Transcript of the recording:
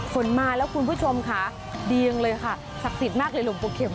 ฝนมาแล้วคุณผู้ชมค่ะเดียงเลยค่ะศักดิ์สิทธิ์มากเลยหลวงปู่เข็ม